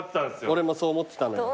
俺もそう思ってたのよ。